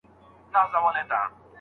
اسلامي امت ته کوم شیان معاف سوي دي؟